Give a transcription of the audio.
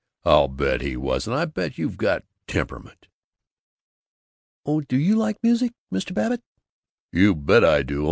"I'll bet he wasn't! I'll bet you've got temperament." "Oh Do you like music, Mr. Babbitt?" "You bet I do!